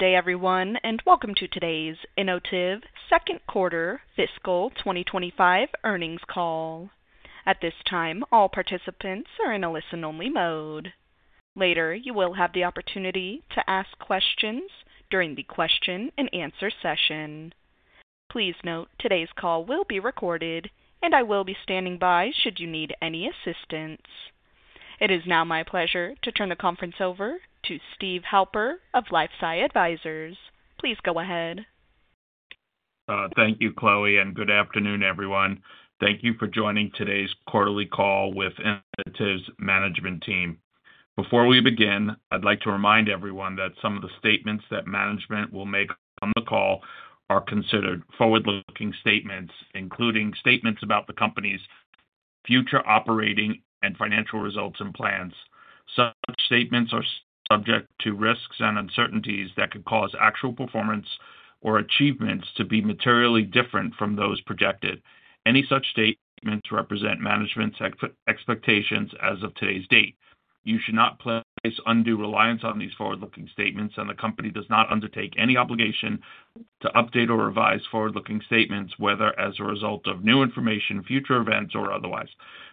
Good day, everyone, and welcome to today's Inotiv Second Quarter Fiscal 2025 Earnings Call. At this time, all participants are in a listen-only mode. Later, you will have the opportunity to ask questions during the question-and-answer session. Please note today's call will be recorded, and I will be standing by should you need any assistance. It is now my pleasure to turn the conference over to Steve Halper of LifeSci Advisors. Please go ahead. Thank you, Chloe, and good afternoon, everyone. Thank you for joining today's quarterly call with Inotiv's management team. Before we begin, I'd like to remind everyone that some of the statements that management will make on the call are considered forward-looking statements, including statements about the company's future operating and financial results and plans. Such statements are subject to risks and uncertainties that could cause actual performance or achievements to be materially different from those projected. Any such statements represent management's expectations as of today's date. You should not place undue reliance on these forward-looking statements, and the company does not undertake any obligation to update or revise forward-looking statements, whether as a result of new information, future events, or otherwise.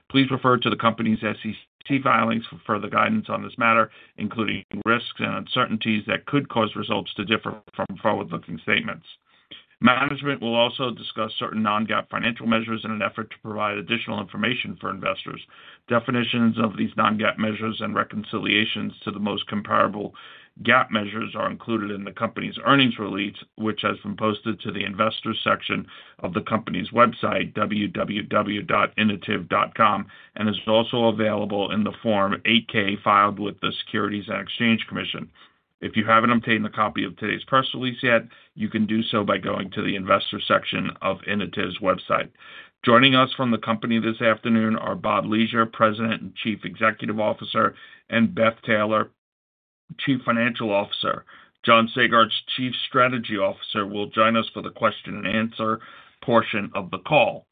Please refer to the company's SEC filings for further guidance on this matter, including risks and uncertainties that could cause results to differ from forward-looking statements. Management will also discuss certain non-GAAP financial measures in an effort to provide additional information for investors. Definitions of these non-GAAP measures and reconciliations to the most comparable GAAP measures are included in the company's earnings release, which has been posted to the investors' section of the company's website, www.inotiv.com, and is also available in the Form 8-K filed with the Securities and Exchange Commission. If you haven't obtained a copy of today's press release yet, you can do so by going to the investors' section of Inotiv's website. Joining us from the company this afternoon are Bob Leasure, President and Chief Executive Officer, and Beth Taylor, Chief Financial Officer. John Sagartz, Chief Strategy Officer, will join us for the question-and-answer portion of the call.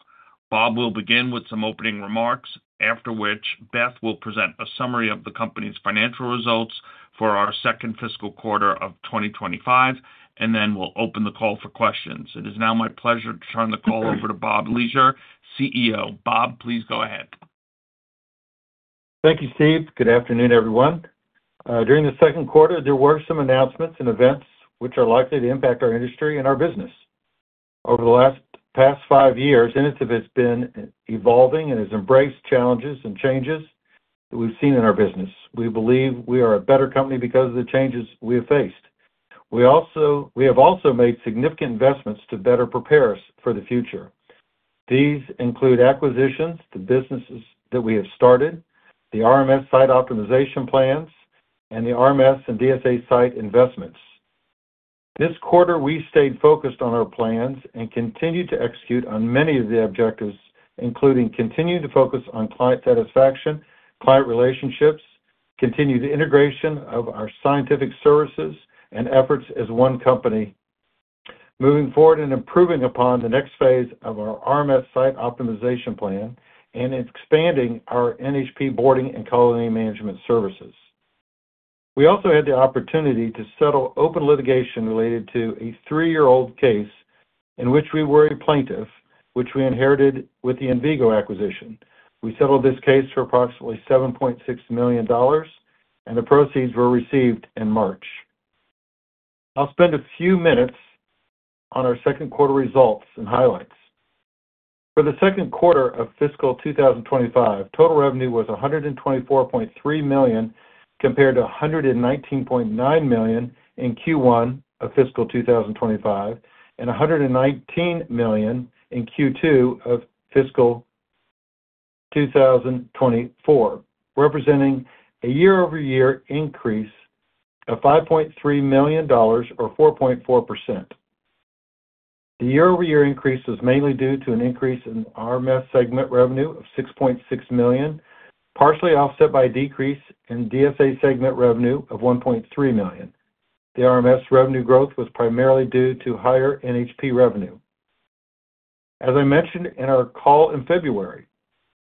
Bob will begin with some opening remarks, after which Beth will present a summary of the company's financial results for our second fiscal quarter of 2025, and then we'll open the call for questions. It is now my pleasure to turn the call over to Bob Leasure, CEO. Bob, please go ahead. Thank you, Steve. Good afternoon, everyone. During the second quarter, there were some announcements and events which are likely to impact our industry and our business. Over the last five years, Inotiv has been evolving and has embraced challenges and changes that we've seen in our business. We believe we are a better company because of the changes we have faced. We have also made significant investments to better prepare us for the future. These include acquisitions, the businesses that we have started, the RMS site optimization plans, and the RMS and DSA site investments. This quarter, we stayed focused on our plans and continued to execute on many of the objectives, including continuing to focus on client satisfaction, client relationships, continued integration of our scientific services, and efforts as one company moving forward and improving upon the next phase of our RMS site optimization plan and expanding our NHP boarding and colony management services. We also had the opportunity to settle open litigation related to a three-year-old case in which we were a plaintiff, which we inherited with the Invigo acquisition. We settled this case for approximately $7.6 million, and the proceeds were received in March. I'll spend a few minutes on our second quarter results and highlights. For the second quarter of fiscal 2025, total revenue was $124.3 million compared to $119.9 million in Q1 of fiscal 2025 and $119 million in Q2 of fiscal 2024, representing a year-over-year increase of $5.3 million, or 4.4%. The year-over-year increase was mainly due to an increase in RMS segment revenue of $6.6 million, partially offset by a decrease in DSA segment revenue of $1.3 million. The RMS revenue growth was primarily due to higher NHP revenue. As I mentioned in our call in February,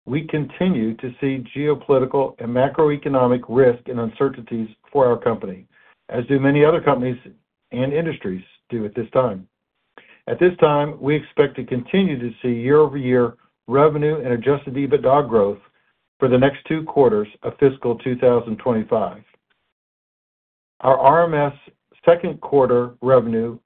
we continue to see geopolitical and macroeconomic risk and uncertainties for our company, as do many other companies and industries do at this time. At this time, we expect to continue to see year-over-year revenue and adjusted EBITDA growth for the next two quarters of fiscal 2025. Our RMS second quarter revenue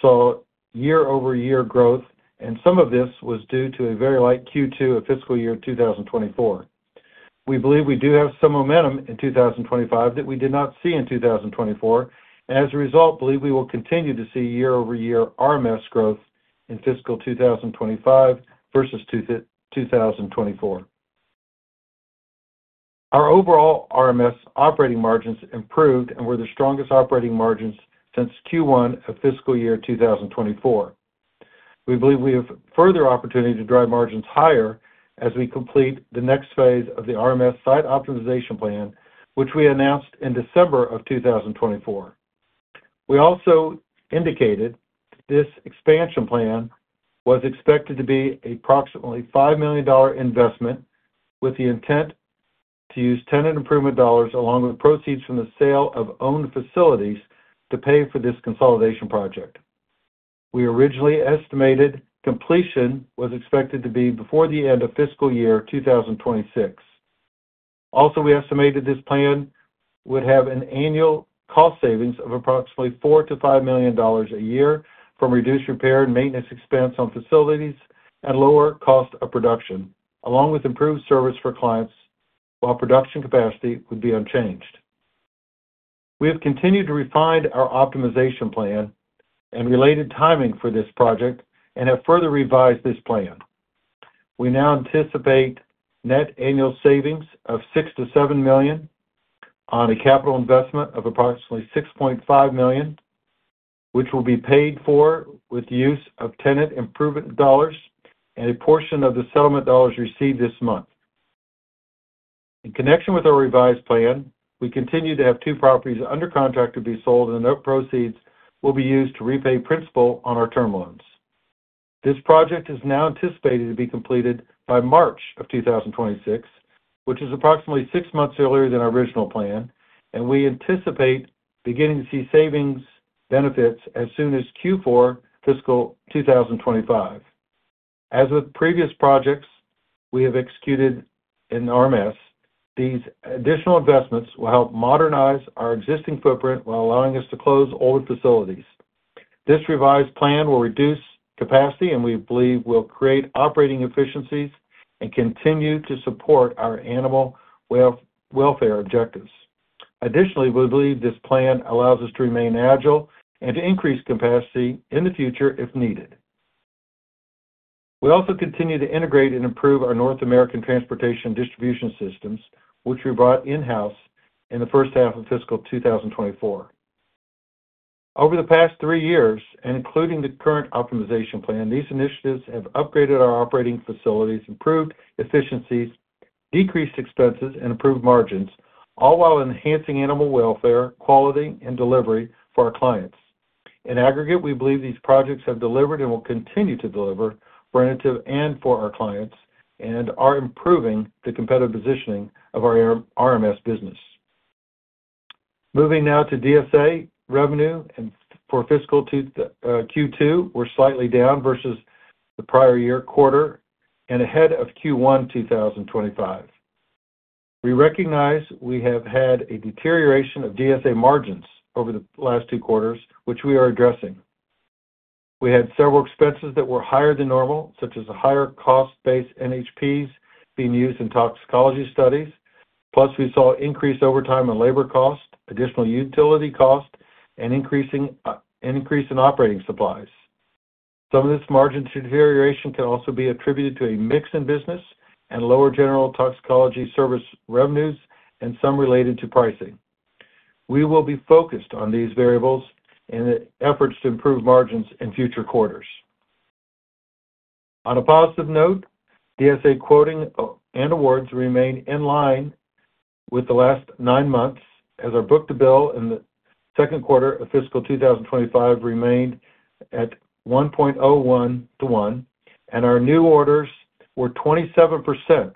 saw year-over-year growth, and some of this was due to a very light Q2 of fiscal year 2024. We believe we do have some momentum in 2025 that we did not see in 2024. As a result, we believe we will continue to see year-over-year RMS growth in fiscal 2025 versus 2024. Our overall RMS operating margins improved and were the strongest operating margins since Q1 of fiscal year 2024. We believe we have further opportunity to drive margins higher as we complete the next phase of the RMS site optimization plan, which we announced in December of 2024. We also indicated this expansion plan was expected to be an approximately $5 million investment with the intent to use tenant improvement dollars along with proceeds from the sale of owned facilities to pay for this consolidation project. We originally estimated completion was expected to be before the end of fiscal year 2026. Also, we estimated this plan would have an annual cost savings of approximately $4million-$5 million a year from reduced repair and maintenance expense on facilities and lower cost of production, along with improved service for clients while production capacity would be unchanged. We have continued to refine our optimization plan and related timing for this project and have further revised this plan. We now anticipate net annual savings of $6 million-$7 million on a capital investment of approximately $6.5 million, which will be paid for with the use of tenant improvement dollars and a portion of the settlement dollars received this month. In connection with our revised plan, we continue to have two properties under contract to be sold, and the proceeds will be used to repay principal on our term loans. This project is now anticipated to be completed by March of 2026, which is approximately six months earlier than our original plan, and we anticipate beginning to see savings benefits as soon as Q4 fiscal 2025. As with previous projects we have executed in RMS, these additional investments will help modernize our existing footprint while allowing us to close older facilities. This revised plan will reduce capacity, and we believe will create operating efficiencies and continue to support our animal welfare objectives. Additionally, we believe this plan allows us to remain agile and to increase capacity in the future if needed. We also continue to integrate and improve our North American transportation distribution systems, which we brought in-house in the first half of fiscal 2024. Over the past three years, and including the current optimization plan, these initiatives have upgraded our operating facilities, improved efficiencies, decreased expenses, and improved margins, all while enhancing animal welfare quality and delivery for our clients. In aggregate, we believe these projects have delivered and will continue to deliver for Inotiv and for our clients and are improving the competitive positioning of our RMS business. Moving now to DSA revenue for fiscal Q2, we're slightly down versus the prior year quarter and ahead of Q1 2025. We recognize we have had a deterioration of DSA margins over the last two quarters, which we are addressing. We had several expenses that were higher than normal, such as higher cost-based NHPs being used in toxicology studies, plus we saw increased overtime and labor cost, additional utility cost, and increase in operating supplies. Some of this margin deterioration can also be attributed to a mix in business and lower general toxicology service revenues and some related to pricing. We will be focused on these variables in efforts to improve margins in future quarters. On a positive note, DSA quoting and awards remain in line with the last nine months, as our book to bill in the second quarter of fiscal 2025 remained at 1.01-1, and our new orders were 27%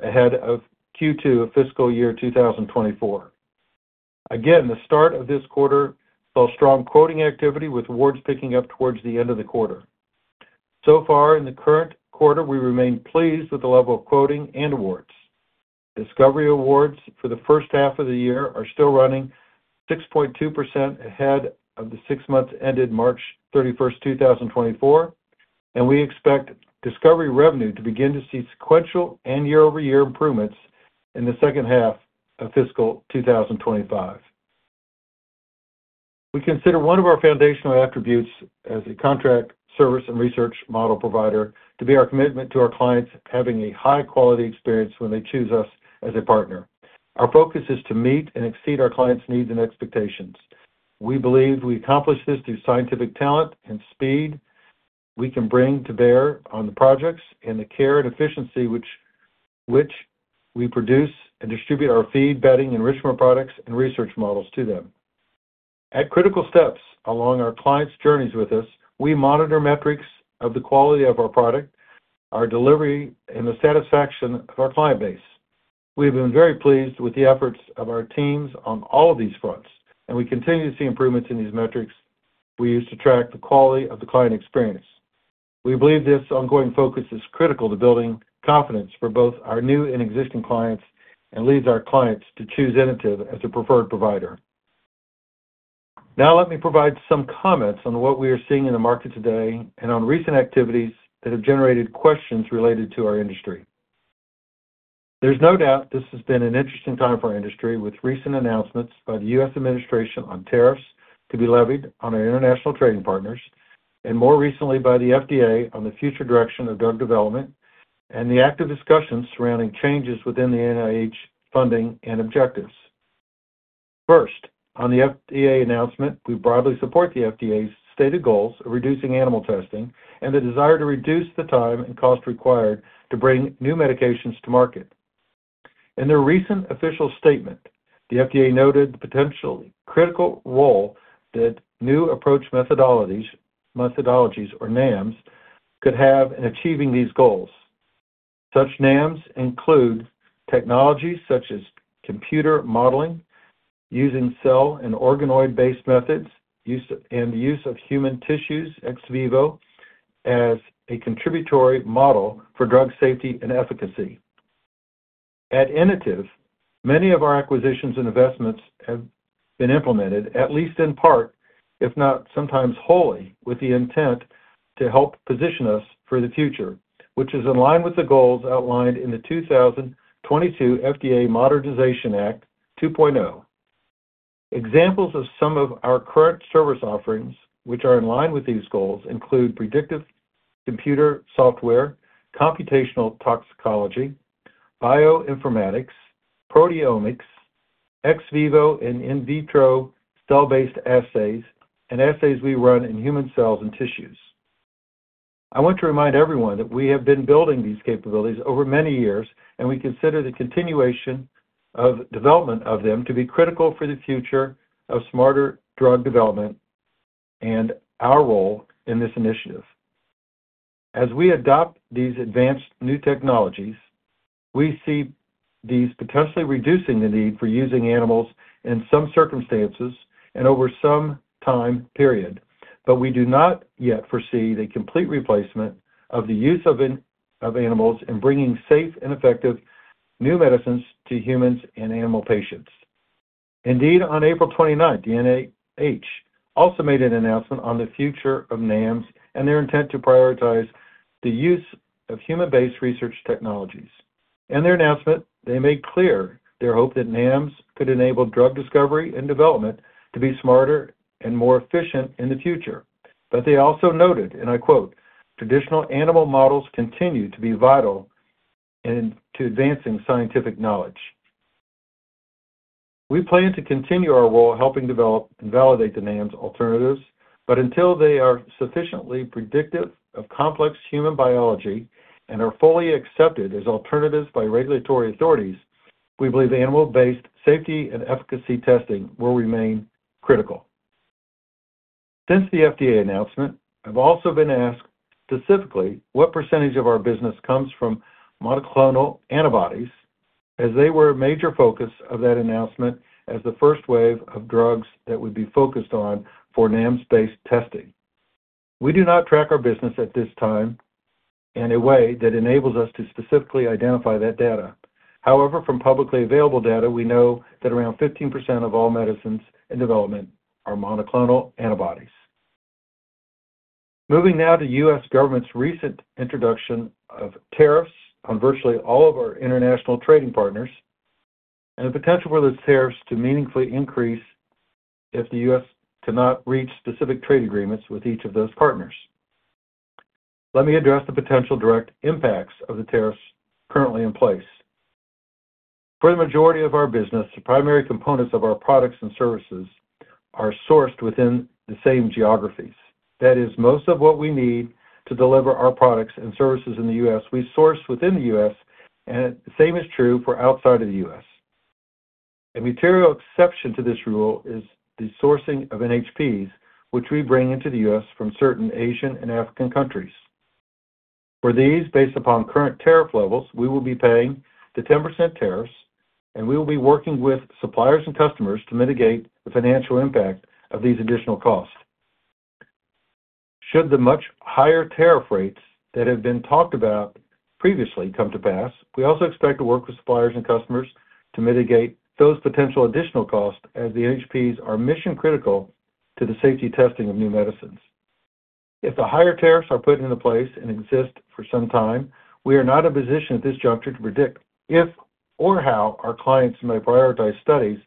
ahead of Q2 of fiscal year 2024. Again, the start of this quarter saw strong quoting activity with awards picking up towards the end of the quarter. So far, in the current quarter, we remain pleased with the level of quoting and awards. Discovery awards for the first half of the year are still running 6.2% ahead of the six months ended March 31, 2024, and we expect discovery revenue to begin to see sequential and year-over-year improvements in the second half of fiscal 2025. We consider one of our foundational attributes as a contract service and research model provider to be our commitment to our clients having a high-quality experience when they choose us as a partner. Our focus is to meet and exceed our clients' needs and expectations. We believe we accomplish this through scientific talent and speed we can bring to bear on the projects and the care and efficiency with which we produce and distribute our feed, bedding, enrichment products, and research models to them. At critical steps along our clients' journeys with us, we monitor metrics of the quality of our product, our delivery, and the satisfaction of our client base. We have been very pleased with the efforts of our teams on all of these fronts, and we continue to see improvements in these metrics we use to track the quality of the client experience. We believe this ongoing focus is critical to building confidence for both our new and existing clients and leads our clients to choose Inotiv as a preferred provider. Now, let me provide some comments on what we are seeing in the market today and on recent activities that have generated questions related to our industry. There is no doubt this has been an interesting time for our industry, with recent announcements by the U.S. administration on tariffs to be levied on our international trading partners, and more recently by the FDA on the future direction of drug development and the active discussions surrounding changes within the NIH funding and objectives. First, on the FDA announcement, we broadly support the FDA's stated goals of reducing animal testing and the desire to reduce the time and cost required to bring new medications to market. In their recent official statement, the FDA noted the potentially critical role that new approach methodologies, or NAMs, could have in achieving these goals. Such NAMs include technologies such as computer modeling, using cell and organoid-based methods, and the use of human tissues, ex vivo, as a contributory model for drug safety and efficacy. At Inotiv, many of our acquisitions and investments have been implemented, at least in part, if not sometimes wholly, with the intent to help position us for the future, which is in line with the goals outlined in the 2022 FDA Modernization Act 2.0. Examples of some of our current service offerings, which are in line with these goals, include predictive computer software, computational toxicology, bioinformatics, proteomics, ex vivo and in vitro cell-based assays, and assays we run in human cells and tissues. I want to remind everyone that we have been building these capabilities over many years, and we consider the continuation of development of them to be critical for the future of smarter drug development and our role in this initiative. As we adopt these advanced new technologies, we see these potentially reducing the need for using animals in some circumstances and over some time period, but we do not yet foresee the complete replacement of the use of animals in bringing safe and effective new medicines to humans and animal patients. Indeed, on April 29th, the NIH also made an announcement on the future of NAMs and their intent to prioritize the use of human-based research technologies. In their announcement, they made clear their hope that NAMs could enable drug discovery and development to be smarter and more efficient in the future, but they also noted, and I quote, "Traditional animal models continue to be vital to advancing scientific knowledge." We plan to continue our role helping develop and validate the NAMs alternatives, but until they are sufficiently predictive of complex human biology and are fully accepted as alternatives by regulatory authorities, we believe animal-based safety and efficacy testing will remain critical. Since the FDA announcement, I've also been asked specifically what percentage of our business comes from monoclonal antibodies, as they were a major focus of that announcement as the first wave of drugs that would be focused on for NAMs-based testing. We do not track our business at this time in a way that enables us to specifically identify that data. However, from publicly available data, we know that around 15% of all medicines in development are monoclonal antibodies. Moving now to the U.S. government's recent introduction of tariffs on virtually all of our international trading partners and the potential for those tariffs to meaningfully increase if the U.S. cannot reach specific trade agreements with each of those partners. Let me address the potential direct impacts of the tariffs currently in place. For the majority of our business, the primary components of our products and services are sourced within the same geographies. That is, most of what we need to deliver our products and services in the U.S., we source within the U.S., and the same is true for outside of the U.S. A material exception to this rule is the sourcing of NHPs, which we bring into the U.S. from certain Asian and African countries. For these, based upon current tariff levels, we will be paying the 10% tariffs, and we will be working with suppliers and customers to mitigate the financial impact of these additional costs. Should the much higher tariff rates that have been talked about previously come to pass, we also expect to work with suppliers and customers to mitigate those potential additional costs as the NHPs are mission-critical to the safety testing of new medicines. If the higher tariffs are put into place and exist for some time, we are not in a position at this juncture to predict if or how our clients may prioritize studies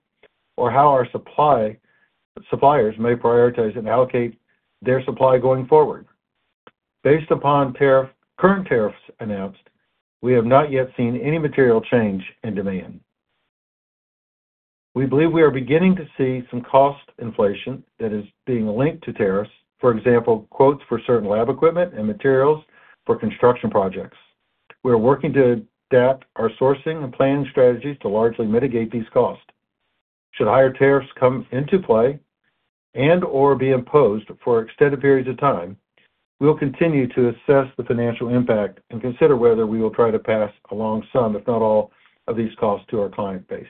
or how our suppliers may prioritize and allocate their supply going forward. Based upon current tariffs announced, we have not yet seen any material change in demand. We believe we are beginning to see some cost inflation that is being linked to tariffs, for example, quotes for certain lab equipment and materials for construction projects. We are working to adapt our sourcing and planning strategies to largely mitigate these costs. Should higher tariffs come into play and/or be imposed for extended periods of time, we will continue to assess the financial impact and consider whether we will try to pass along some, if not all, of these costs to our client base.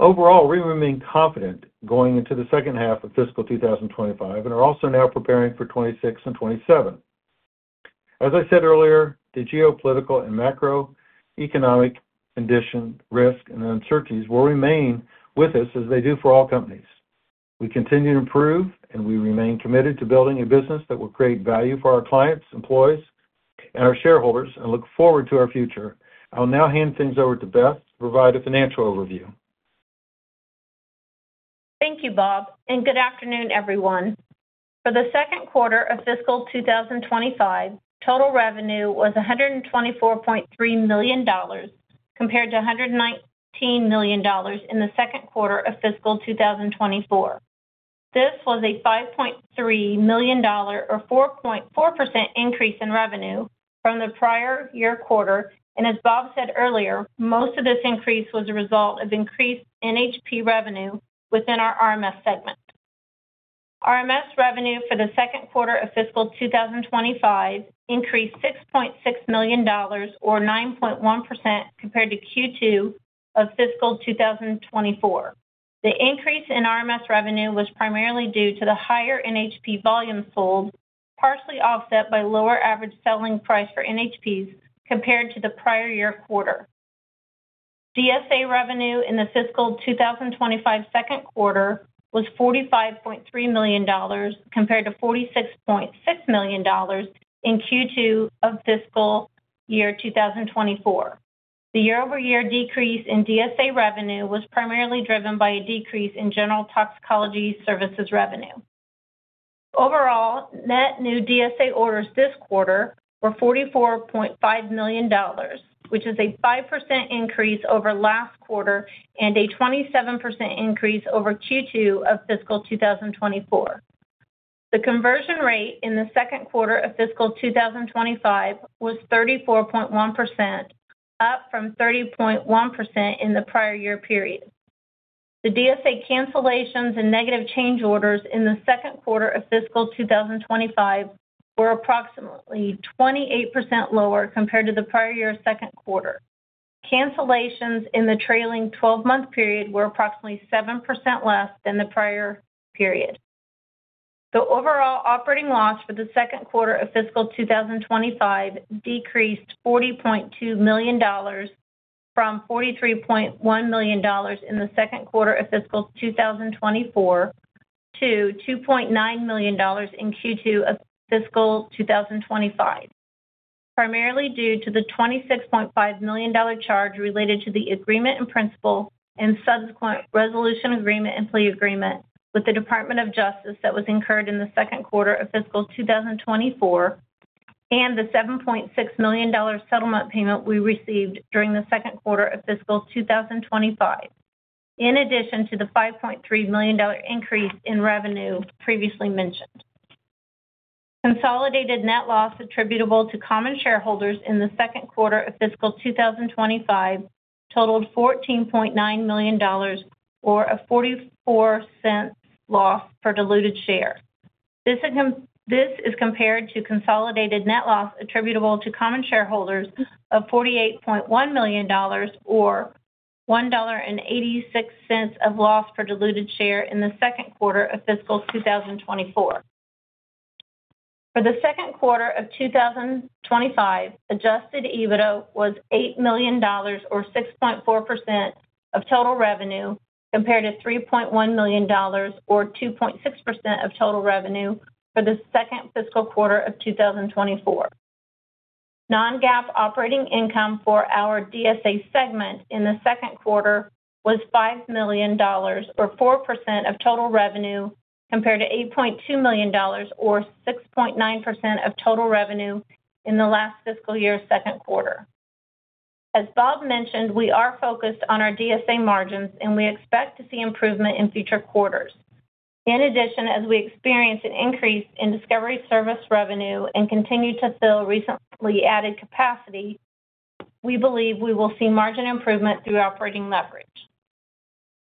Overall, we remain confident going into the second half of fiscal 2025 and are also now preparing for 2026 and 2027. As I said earlier, the geopolitical and macroeconomic condition, risk, and uncertainties will remain with us as they do for all companies. We continue to improve, and we remain committed to building a business that will create value for our clients, employees, and our shareholders, and look forward to our future. I'll now hand things over to Beth to provide a financial overview. Thank you, Bob, and good afternoon, everyone. For the second quarter of fiscal 2025, total revenue was $124.3 million compared to $119 million in the second quarter of fiscal 2024. This was a $5.3 million, or 4.4%, increase in revenue from the prior year quarter, and as Bob said earlier, most of this increase was a result of increased NHP revenue within our RMS segment. RMS revenue for the second quarter of fiscal 2025 increased $6.6 million, or 9.1%, compared to Q2 of fiscal 2024. The increase in RMS revenue was primarily due to the higher NHP volume sold, partially offset by lower average selling price for NHPs compared to the prior year quarter. DSA revenue in the fiscal 2025 second quarter was $45.3 million compared to $46.6 million in Q2 of fiscal year 2024. The year-over-year decrease in DSA revenue was primarily driven by a decrease in general toxicology services revenue. Overall, net new DSA orders this quarter were $44.5 million, which is a 5% increase over last quarter and a 27% increase over Q2 of fiscal 2024. The conversion rate in the second quarter of fiscal 2025 was 34.1%, up from 30.1% in the prior year period. The DSA cancellations and negative change orders in the second quarter of fiscal 2025 were approximately 28% lower compared to the prior year second quarter. Cancellations in the trailing 12-month period were approximately 7% less than the prior period. The overall operating loss for the second quarter of fiscal 2025 decreased $40.2 million from $43.1 million in the second quarter of fiscal 2024- $2.9 million in Q2 of fiscal 2025, primarily due to the $26.5 million charge related to the agreement in principle and subsequent resolution agreement and plea agreement with the Department of Justice that was incurred in the second quarter of fiscal 2024, and the $7.6 million settlement payment we received during the second quarter of fiscal 2025, in addition to the $5.3 million increase in revenue previously mentioned. Consolidated net loss attributable to common shareholders in the second quarter of fiscal 2025 totaled $14.9 million, or a $0.44 loss per diluted share. This is compared to consolidated net loss attributable to common shareholders of $48.1 million, or $1.86 of loss per diluted share in the second quarter of fiscal 2024. For the second quarter of 2025, adjusted EBITDA was $8 million, or 6.4% of total revenue, compared to $3.1 million, or 2.6% of total revenue for the second fiscal quarter of 2024. Non-GAAP operating income for our DSA segment in the second quarter was $5 million, or 4% of total revenue, compared to $8.2 million, or 6.9% of total revenue in the last fiscal year second quarter. As Bob mentioned, we are focused on our DSA margins, and we expect to see improvement in future quarters. In addition, as we experience an increase in discovery service revenue and continue to fill recently added capacity, we believe we will see margin improvement through operating leverage.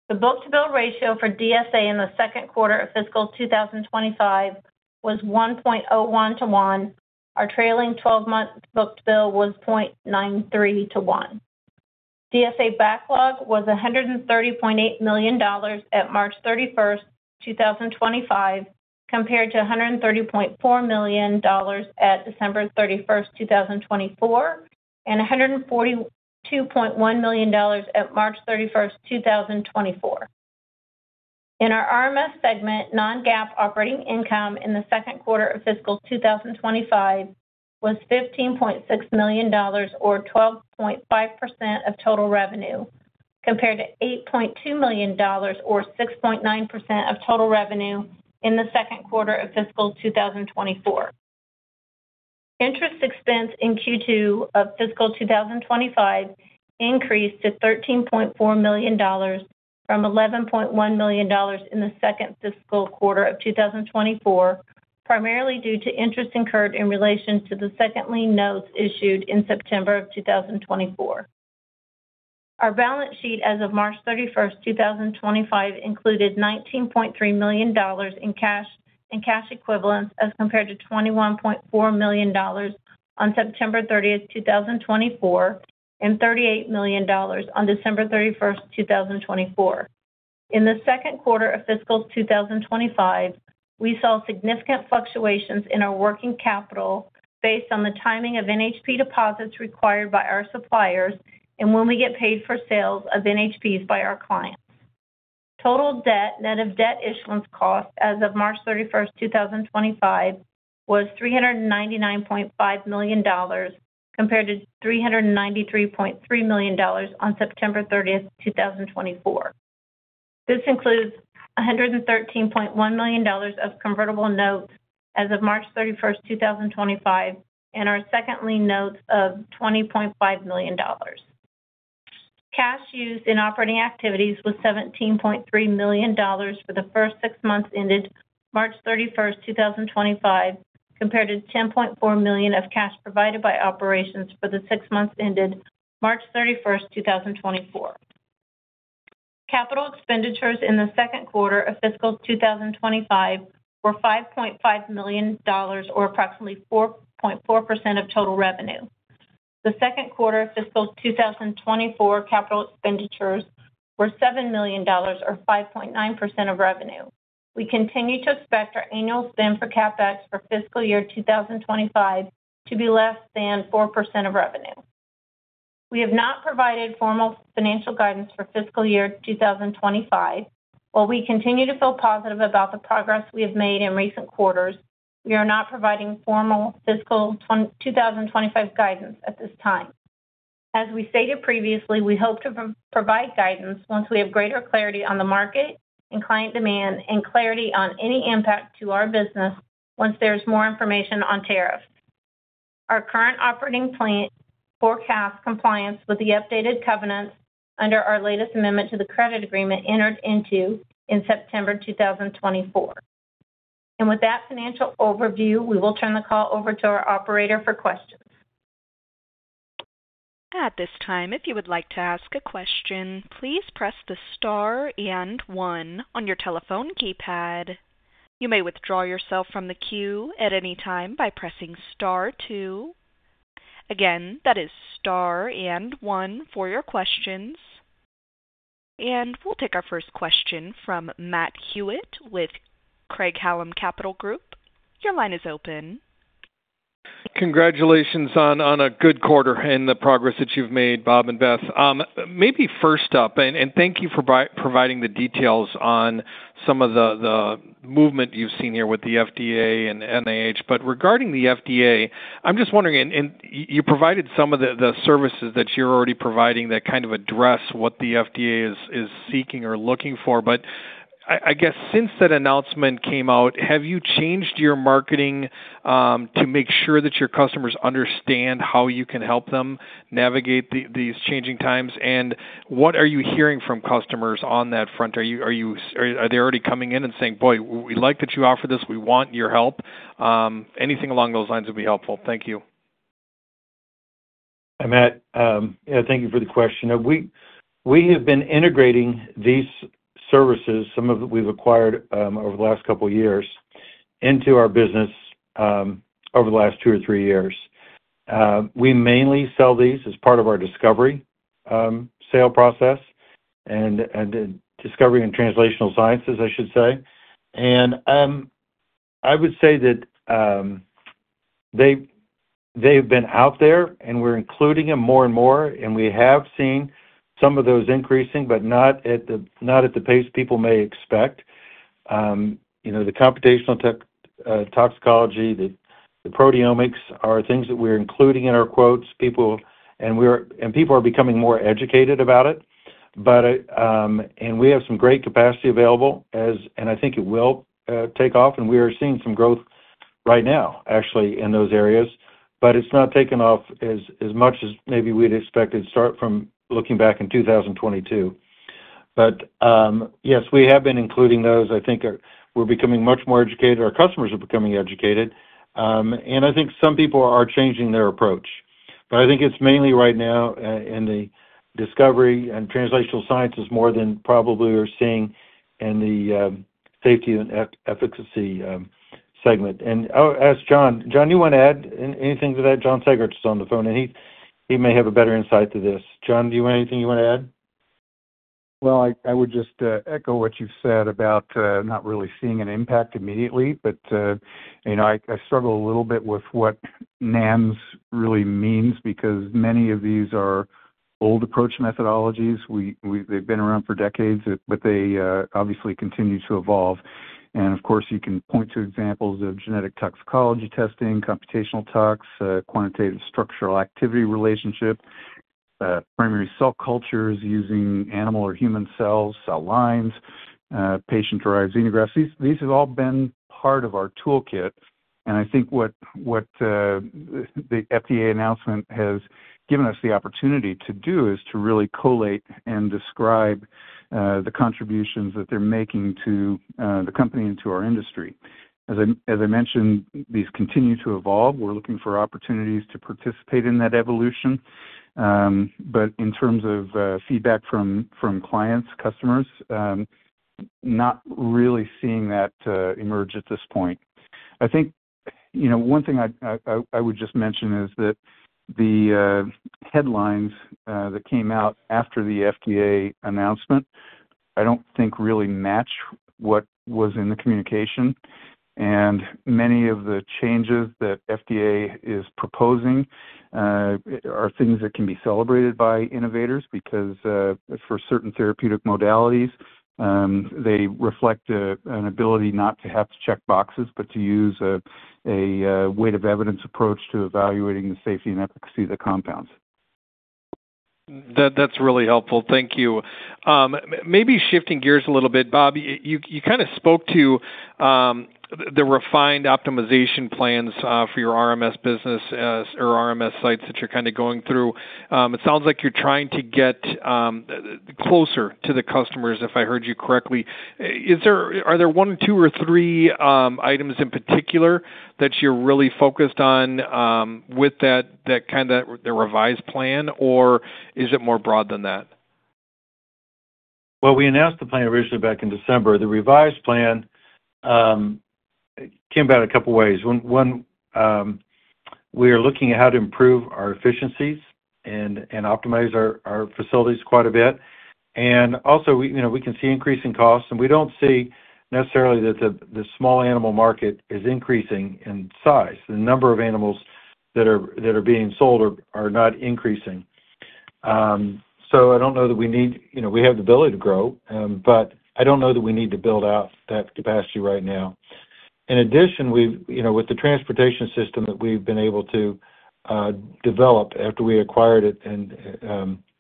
The book-to-bill ratio for DSA in the second quarter of fiscal 2025 was 1.01-1. Our trailing 12-month book-to-bill was 0.93-1. DSA backlog was $130.8 million at March 31, 2025, compared to $130.4 million at December 31, 2024, and $142.1 million at March 31, 2024. In our RMS segment, non-GAAP operating income in the second quarter of fiscal 2025 was $15.6 million, or 12.5% of total revenue, compared to $8.2 million, or 6.9% of total revenue in the second quarter of fiscal 2024. Interest expense in Q2 of fiscal 2025 increased to $13.4 million from $11.1 million in the second fiscal quarter of 2024, primarily due to interest incurred in relation to the second lien notes issued in September of 2024. Our balance sheet as of March 31, 2025, included $19.3 million in cash and cash equivalents as compared to $21.4 million on September 30, 2024, and $38 million on December 31, 2024. In the second quarter of fiscal 2025, we saw significant fluctuations in our working capital based on the timing of NHP deposits required by our suppliers and when we get paid for sales of NHPs by our clients. Total debt, net of debt issuance cost as of March 31, 2025, was $399.5 million compared to $393.3 million on September 30, 2024. This includes $113.1 million of convertible notes as of March 31, 2025, and our second lien notes of $20.5 million. Cash used in operating activities was $17.3 million for the first six months ended March 31, 2025, compared to $10.4 million of cash provided by operations for the six months ended March 31, 2024. Capital expenditures in the second quarter of fiscal 2025 were $5.5 million, or approximately 4.4% of total revenue. The second quarter of fiscal 2024 capital expenditures were $7 million, or 5.9% of revenue. We continue to expect our annual spend for CapEx for fiscal year 2025 to be less than 4% of revenue. We have not provided formal financial guidance for fiscal year 2025. While we continue to feel positive about the progress we have made in recent quarters, we are not providing formal fiscal 2025 guidance at this time. As we stated previously, we hope to provide guidance once we have greater clarity on the market and client demand and clarity on any impact to our business once there is more information on tariffs. Our current operating plan forecasts compliance with the updated covenants under our latest amendment to the credit agreement entered into in September 2024.With that financial overview, we will turn the call over to our operator for questions. At this time, if you would like to ask a question, please press the star and one on your telephone keypad. You may withdraw yourself from the queue at any time by pressing star two. Again, that is star and one for your questions. We will take our first question from Matt Hewitt with Craig-Hallum Capital Group. Your line is open. Congratulations on a good quarter and the progress that you've made, Bob and Beth. Maybe first up, and thank you for providing the details on some of the movement you've seen here with the FDA and NIH. Regarding the FDA, I'm just wondering, and you provided some of the services that you're already providing that kind of address what the FDA is seeking or looking for. I guess since that announcement came out, have you changed your marketing to make sure that your customers understand how you can help them navigate these changing times? What are you hearing from customers on that front? Are they already coming in and saying, "Boy, we like that you offer this. We want your help"? Anything along those lines would be helpful. Thank you. Hi, Matt. Thank you for the question. We have been integrating these services, some of that we've acquired over the last couple of years, into our business over the last two or three years. We mainly sell these as part of our discovery sale process and discovery and translational sciences, I should say. I would say that they have been out there, and we're including them more and more. We have seen some of those increasing, but not at the pace people may expect. The computational toxicology, the proteomics are things that we're including in our quotes. People are becoming more educated about it. We have some great capacity available, and I think it will take off. We are seeing some growth right now, actually, in those areas. It has not taken off as much as maybe we'd expected, starting from looking back in 2022. Yes, we have been including those. I think we're becoming much more educated. Our customers are becoming educated. I think some people are changing their approach. I think it's mainly right now in the discovery and translational sciences more than probably we're seeing in the safety and efficacy segment. Ask John. John, do you want to add anything to that? John Sagartz is on the phone, and he may have a better insight to this. John, do you have anything you want to add? I would just echo what you've said about not really seeing an impact immediately. I struggle a little bit with what NAMs really means because many of these are old approach methodologies. They've been around for decades, but they obviously continue to evolve. Of course, you can point to examples of genetic toxicology testing, computational toxic, quantitative structural activity relationship, primary cell cultures using animal or human cells, cell lines, patient-derived xenografts. These have all been part of our toolkit. I think what the FDA announcement has given us the opportunity to do is to really collate and describe the contributions that they're making to the company and to our industry. As I mentioned, these continue to evolve. We're looking for opportunities to participate in that evolution. In terms of feedback from clients, customers, not really seeing that emerge at this point. I think one thing I would just mention is that the headlines that came out after the FDA announcement, I don't think really match what was in the communication. Many of the changes that FDA is proposing are things that can be celebrated by innovators because for certain therapeutic modalities, they reflect an ability not to have to check boxes, but to use a weight of evidence approach to evaluating the safety and efficacy of the compounds. That's really helpful. Thank you. Maybe shifting gears a little bit, Bob, you kind of spoke to the refined optimization plans for your RMS business or RMS sites that you're kind of going through. It sounds like you're trying to get closer to the customers, if I heard you correctly. Are there one, two, or three items in particular that you're really focused on with that kind of revised plan, or is it more broad than that? We announced the plan originally back in December. The revised plan came about in a couple of ways. One, we are looking at how to improve our efficiencies and optimize our facilities quite a bit. Also, we can see increasing costs. We don't see necessarily that the small animal market is increasing in size. The number of animals that are being sold are not increasing. I don't know that we need, we have the ability to grow, but I don't know that we need to build out that capacity right now. In addition, with the transportation system that we've been able to develop after we acquired it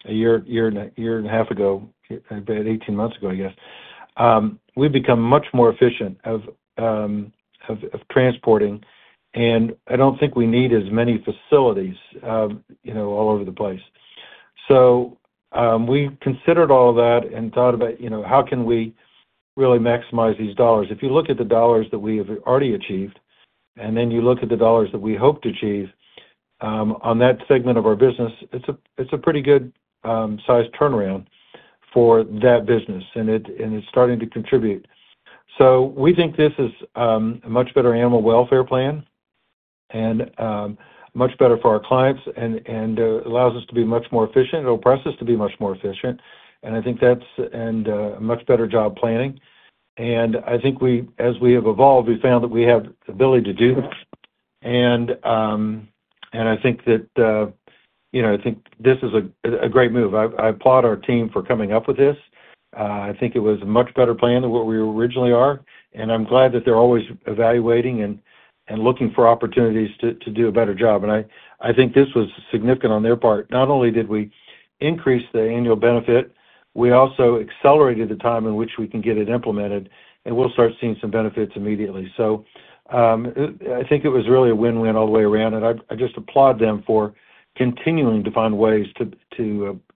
a year and a half ago, about 18 months ago, I guess, we've become much more efficient of transporting. I don't think we need as many facilities all over the place. We considered all of that and thought about how can we really maximize these dollars. If you look at the dollars that we have already achieved, and then you look at the dollars that we hope to achieve on that segment of our business, it's a pretty good size turnaround for that business. It's starting to contribute. We think this is a much better animal welfare plan and much better for our clients and allows us to be much more efficient. It'll press us to be much more efficient. I think that's a much better job planning. I think as we have evolved, we found that we have the ability to do this. I think this is a great move. I applaud our team for coming up with this. I think it was a much better plan than what we originally are. I'm glad that they're always evaluating and looking for opportunities to do a better job. I think this was significant on their part. Not only did we increase the annual benefit, we also accelerated the time in which we can get it implemented. We'll start seeing some benefits immediately. I think it was really a win-win all the way around. I just applaud them for continuing to find ways to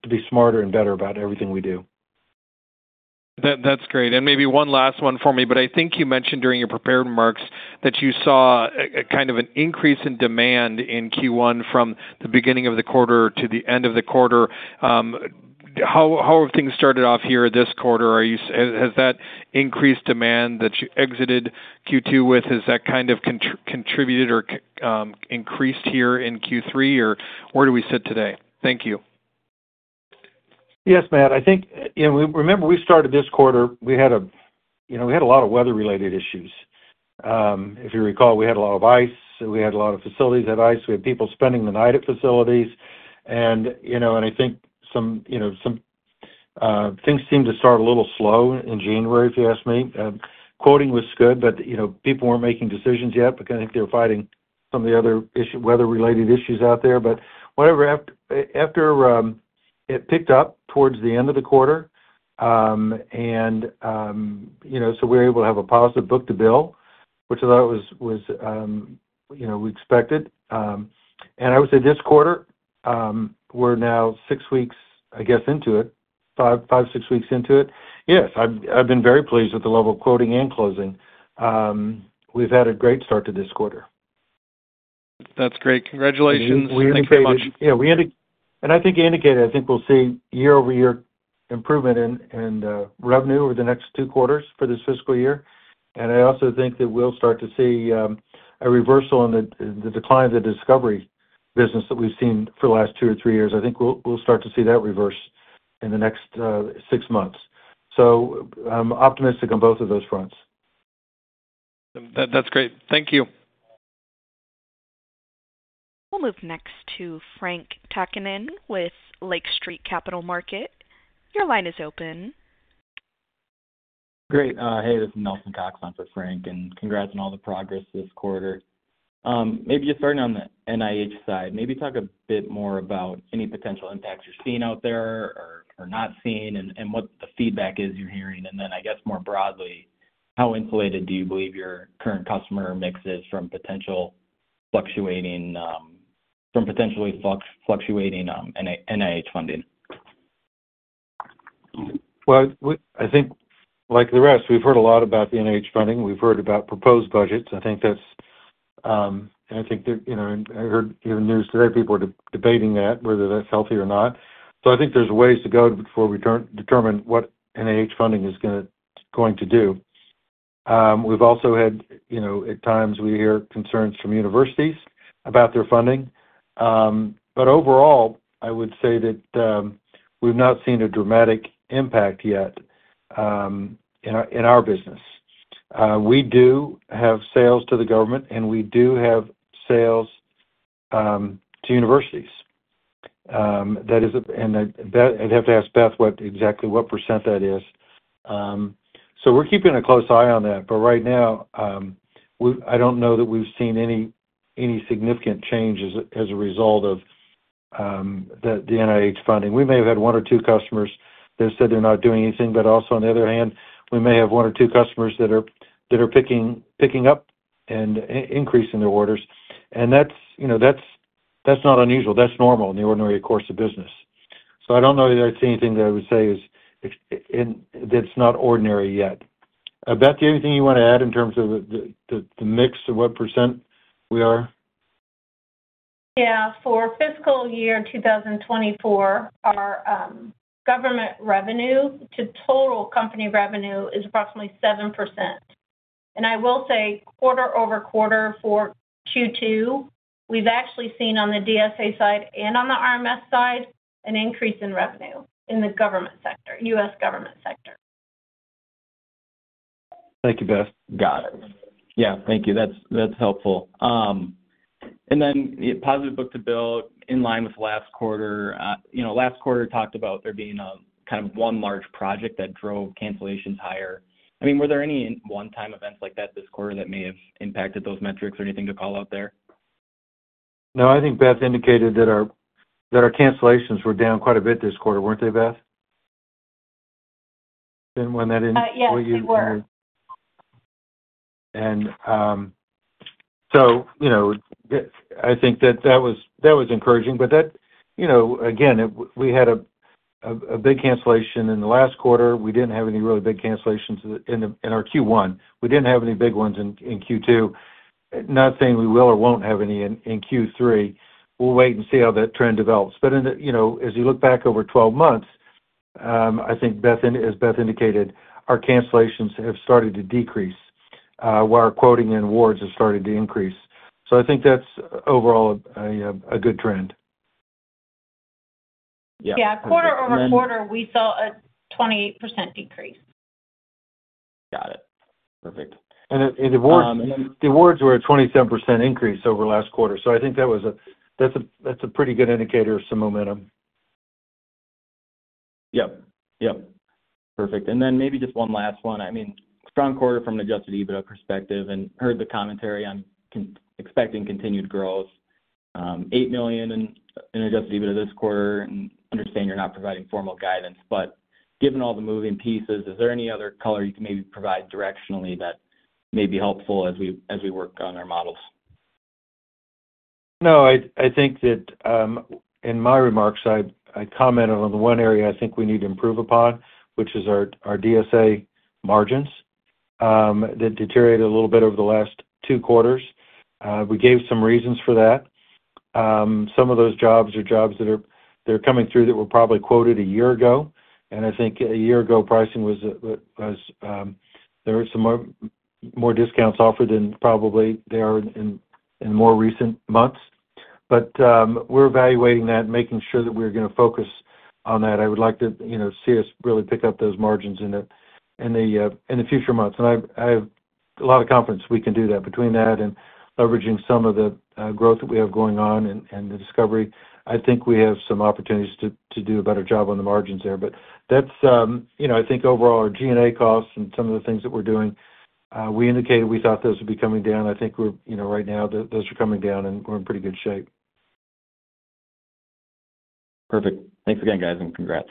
be smarter and better about everything we do. That's great. Maybe one last one for me. I think you mentioned during your prepared remarks that you saw kind of an increase in demand in Q1 from the beginning of the quarter to the end of the quarter. How have things started off here this quarter? Has that increased demand that you exited Q2 with, has that kind of contributed or increased here in Q3, or where do we sit today? Thank you. Yes, Matt. I think remember we started this quarter, we had a lot of weather-related issues. If you recall, we had a lot of ice. We had a lot of facilities that had ice. We had people spending the night at facilities. I think some things seemed to start a little slow in January, if you ask me. Quoting was good, but people were not making decisions yet because I think they were fighting some of the other weather-related issues out there. Whatever, after it picked up towards the end of the quarter, we were able to have a positive book-to-bill, which I thought was what we expected. I would say this quarter, we are now six weeks, I guess, into it, five, six weeks into it. Yes, I have been very pleased with the level of quoting and closing. We have had a great start to this quarter. That is great. Congratulations. Thank you very much. I think you indicated, I think we will see year-over-year improvement in revenue over the next two quarters for this fiscal year. I also think that we will start to see a reversal in the decline of the discovery business that we have seen for the last two or three years. I think we will start to see that reverse in the next six months. I am optimistic on both of those fronts. That is great. Thank you. We'll move next to Nelson Cox with Lake Street Capital Markets. Your line is open. Great. Hey, this is Nelson Cox on for Frank. And congrats on all the progress this quarter. Maybe just starting on the NIH side, maybe talk a bit more about any potential impacts you're seeing out there or not seeing and what the feedback is you're hearing. And then I guess more broadly, how insulated do you believe your current customer mix is from potentially fluctuating NIH funding? I think like the rest, we've heard a lot about the NIH funding. We've heard about proposed budgets. I think that's and I think I heard in the news today, people are debating that, whether that's healthy or not. I think there's ways to go before we determine what NIH funding is going to do. We've also had at times, we hear concerns from universities about their funding. Overall, I would say that we've not seen a dramatic impact yet in our business. We do have sales to the government, and we do have sales to universities. I'd have to ask Beth exactly what % that is. We're keeping a close eye on that. Right now, I don't know that we've seen any significant changes as a result of the NIH funding. We may have had one or two customers that said they're not doing anything. On the other hand, we may have one or two customers that are picking up and increasing their orders. That's not unusual. That's normal in the ordinary course of business. I don't know that I'd say anything that I would say that's not ordinary yet. Beth, do you have anything you want to add in terms of the mix of what percent we are? Yeah. For fiscal year 2024, our government revenue to total company revenue is approximately 7%. And I will say quarter-over-quarter for Q2, we've actually seen on the DSA side and on the RMS side an increase in revenue in the government sector, U.S. government sector. Thank you, Beth. Got it. Yeah. Thank you. That's helpful. And then positive book to bill in line with last quarter. Last quarter talked about there being kind of one large project that drove cancellations higher. I mean, were there any one-time events like that this quarter that may have impacted those metrics or anything to call out there? No, I think Beth indicated that our cancellations were down quite a bit this quarter, weren't they, Beth? Didn't win that in what you were? Yes, we were. I think that that was encouraging. Again, we had a big cancellation in the last quarter. We did not have any really big cancellations in our Q1. We did not have any big ones in Q2. Not saying we will or will not have any in Q3. We will wait and see how that trend develops. As you look back over 12 months, I think, as Beth indicated, our cancellations have started to decrease while our quoting and awards have started to increase. I think that is overall a good trend. Quarter-over-quarter, we saw a 28% decrease. Got it. Perfect. The awards were a 27% increase over last quarter. I think that is a pretty good indicator of some momentum. Yeah. Perfect. Maybe just one last one. I mean, strong quarter from an adjusted EBITDA perspective and heard the commentary. I'm expecting continued growth, $8 million in adjusted EBITDA this quarter. I understand you're not providing formal guidance. Given all the moving pieces, is there any other color you can maybe provide directionally that may be helpful as we work on our models? No, I think that in my remarks, I commented on the one area I think we need to improve upon, which is our DSA margins that deteriorated a little bit over the last two quarters. We gave some reasons for that. Some of those jobs are jobs that are coming through that were probably quoted a year ago. I think a year ago, pricing was there were some more discounts offered than probably they are in more recent months. We're evaluating that and making sure that we're going to focus on that. I would like to see us really pick up those margins in the future months. I have a lot of confidence we can do that between that and leveraging some of the growth that we have going on in the discovery. I think we have some opportunities to do a better job on the margins there. I think overall, our G&A costs and some of the things that we're doing, we indicated we thought those would be coming down. I think right now, those are coming down, and we're in pretty good shape. Perfect. Thanks again, guys, and congrats.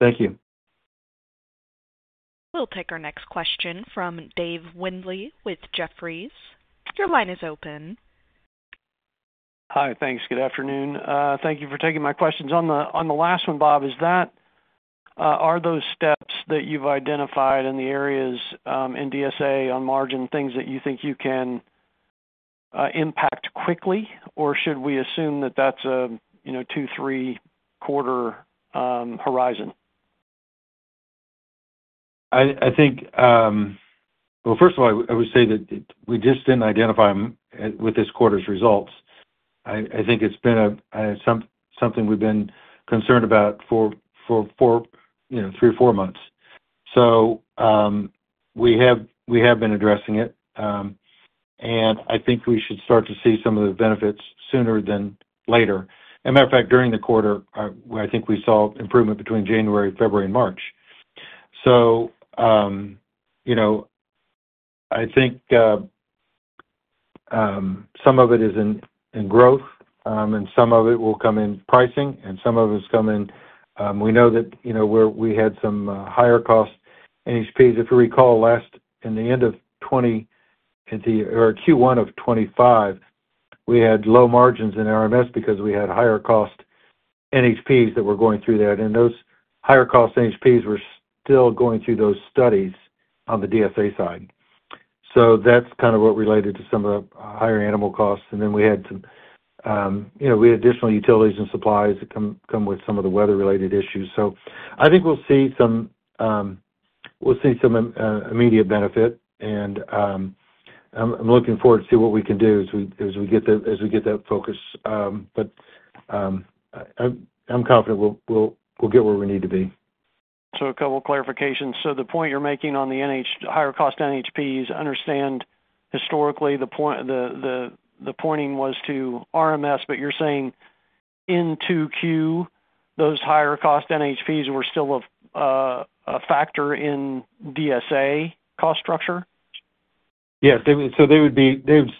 Thank you. We'll take our next question from Dave Windley with Jefferies. Your line is open. Hi. Thanks. Good afternoon. Thank you for taking my questions. On the last one, Bob, is that are those steps that you've identified in the areas in DSA on margin things that you think you can impact quickly, or should we assume that that's a two, three-quarter horizon? I think, first of all, I would say that we just didn't identify with this quarter's results. I think it's been something we've been concerned about for three or four months. So we have been addressing it. I think we should start to see some of the benefits sooner than later. As a matter of fact, during the quarter, I think we saw improvement between January, February, and March. I think some of it is in growth, and some of it will come in pricing, and some of it's come in we know that we had some higher cost NHPs. If you recall, in the end of 2020 or Q1 of 2025, we had low margins in RMS because we had higher cost NHPs that were going through that. Those higher cost NHPs were still going through those studies on the DSA side. That is kind of what related to some of the higher animal costs. We had additional utilities and supplies that come with some of the weather-related issues. I think we will see some immediate benefit. I am looking forward to see what we can do as we get that focus. I am confident we will get where we need to be. A couple of clarifications. The point you're making on the higher cost NHPs, understand historically, the pointing was to RMS, but you're saying in Q2, those higher cost NHPs were still a factor in DSA cost structure? Yes. They would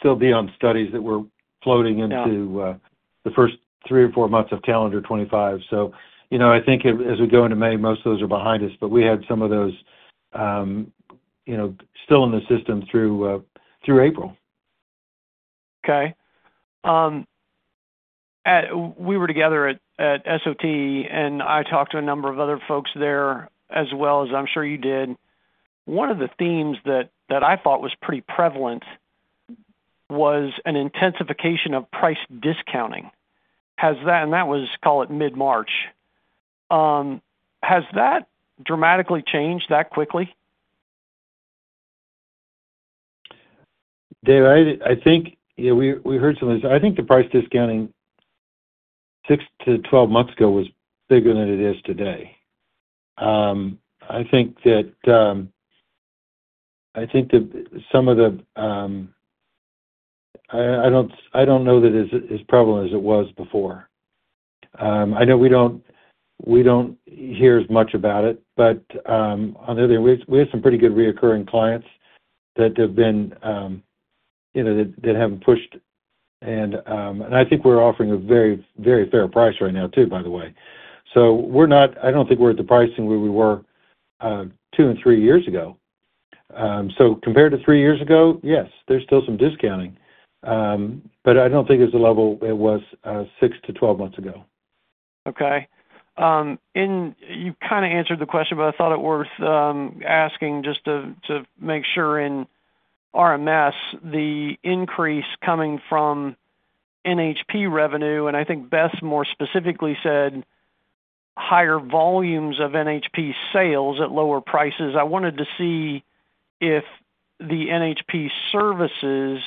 still be on studies that were floating into the first three or four months of calendar 2025. I think as we go into May, most of those are behind us. We had some of those still in the system through April. Okay. We were together at SOT, and I talked to a number of other folks there as well as I'm sure you did. One of the themes that I thought was pretty prevalent was an intensification of price discounting. That was, call it mid-March. Has that dramatically changed that quickly? Dave, I think we heard some of this. I think the price discounting 6 months-12 months ago was bigger than it is today. I think that some of the, I do not know that it is as prevalent as it was before. I know we do not hear as much about it. On the other hand, we have some pretty good recurring clients that have not pushed. I think we are offering a very, very fair price right now too, by the way. I do not think we are at the pricing where we were two and three years ago. Compared to three years ago, yes, there is still some discounting. I do not think it is the level it was 6-12 months ago. Okay. You kind of answered the question, but I thought it worth asking just to make sure in RMS, the increase coming from NHP revenue, and I think Beth more specifically said higher volumes of NHP sales at lower prices. I wanted to see if the NHP services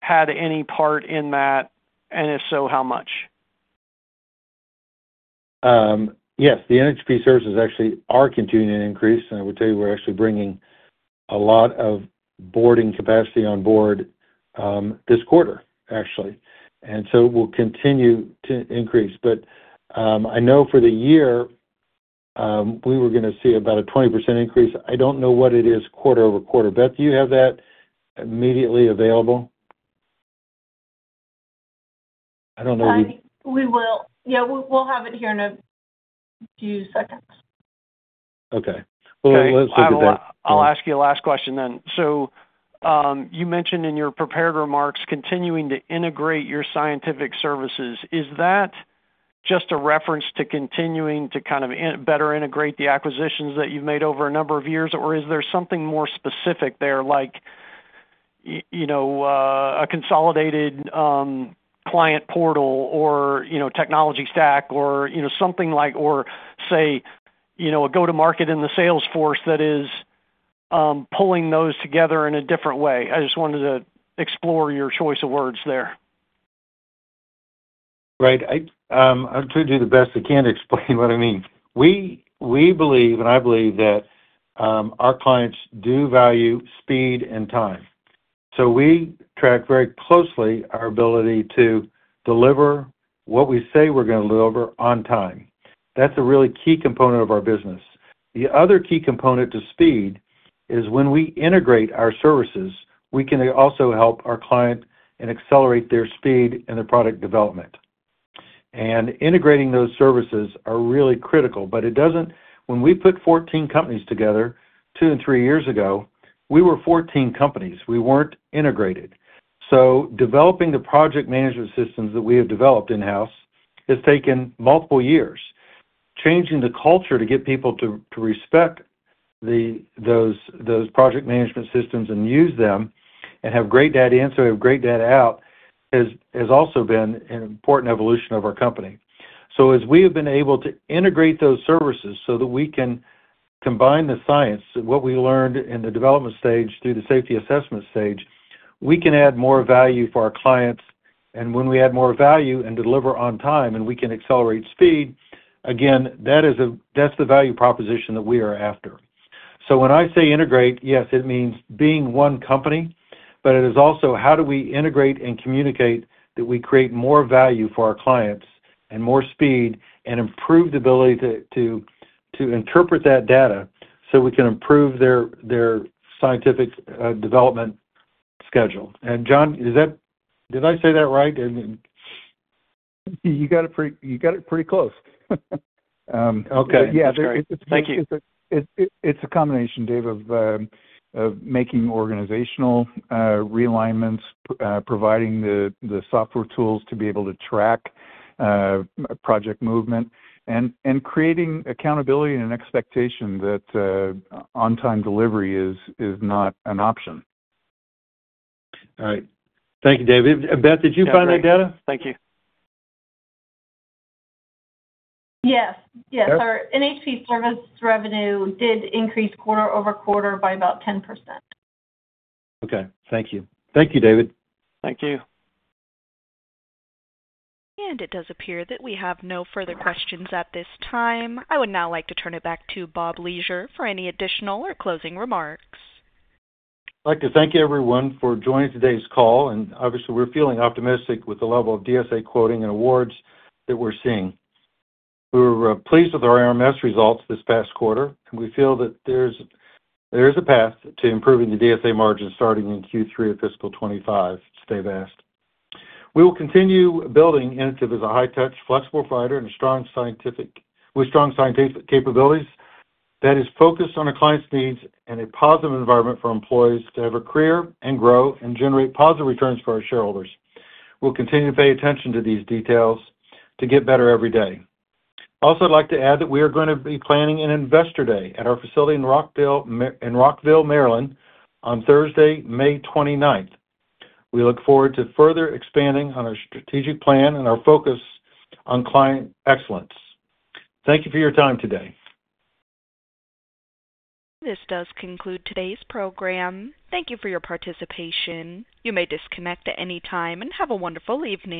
had any part in that, and if so, how much? Yes. The NHP services actually are continuing to increase. I would tell you we're actually bringing a lot of boarding capacity on board this quarter, actually. We will continue to increase. I know for the year, we were going to see about a 20% increase. I do not know what it is quarter-over-quarter. Beth, do you have that immediately available? I do not know- Yeah. We will have it here in a few seconds. Okay. Let's look at that. I'll ask you the last question then. You mentioned in your prepared remarks, continuing to integrate your scientific services. Is that just a reference to continuing to kind of better integrate the acquisitions that you've made over a number of years, or is there something more specific there, like a consolidated client portal or technology stack or something like, or, say, a go-to-market in the salesforce that is pulling those together in a different way? I just wanted to explore your choice of words there. Right. I'll try to do the best I can to explain what I mean. We believe, and I believe that our clients do value speed and time. We track very closely our ability to deliver what we say we're going to deliver on time. That's a really key component of our business. The other key component to speed is when we integrate our services, we can also help our client and accelerate their speed and their product development. Integrating those services are really critical. When we put 14 companies together two and three years ago, we were 14 companies. We were not integrated. Developing the project management systems that we have developed in-house has taken multiple years. Changing the culture to get people to respect those project management systems and use them and have great data in, so we have great data out, has also been an important evolution of our company. As we have been able to integrate those services so that we can combine the science, what we learned in the development stage through the safety assessment stage, we can add more value for our clients. When we add more value and deliver on time and we can accelerate speed, again, that's the value proposition that we are after. When I say integrate, yes, it means being one company, but it is also how do we integrate and communicate that we create more value for our clients and more speed and improve the ability to interpret that data so we can improve their scientific development schedule. John, did I say that right? You got it pretty close. Okay. Thank you. It's a combination, Dave, of making organizational realignments, providing the software tools to be able to track project movement, and creating accountability and expectation that on-time delivery is not an option. All right. Thank you, David. Beth, did you find that data? Thank you. Yes. Our NHP service revenue did increase quarter-over-quarter by about 10%. Okay. Thank you. Thank you, David. Thank you. It does appear that we have no further questions at this time. I would now like to turn it back to Bob Leasure for any additional or closing remarks. I'd like to thank everyone for joining today's call. Obviously, we're feeling optimistic with the level of DSA quoting and awards that we're seeing. We were pleased with our RMS results this past quarter. We feel that there's a path to improving the DSA margin starting in Q3 of fiscal 2025, Dave asked. We will continue building Inotiv as a high-touch, flexible provider with strong scientific capabilities that is focused on our clients' needs and a positive environment for employees to have a career and grow and generate positive returns for our shareholders. We'll continue to pay attention to these details to get better every day. Also, I'd like to add that we are going to be planning an investor day at our facility in Rockville, Maryland, on Thursday, May 29th. We look forward to further expanding on our strategic plan and our focus on client excellence. Thank you for your time today. This does conclude today's program. Thank you for your participation. You may disconnect at any time and have a wonderful evening.